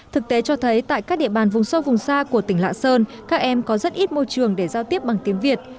thực tế cho thấy tại các địa bàn vùng sâu vùng xa của tỉnh lạng sơn các em có rất ít môi trường để giao tiếp bằng tiếng việt